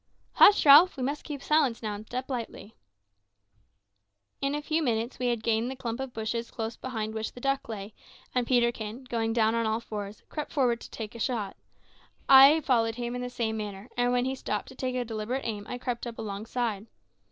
"Hush, Ralph! we must keep silence now and step lightly." In a few minutes we had gained the clump of bushes close behind which the duck lay; and Peterkin, going down on all fours, crept forward to get a shot. I followed him in the same manner, and when he stopped to take a deliberate aim, I crept up alongside.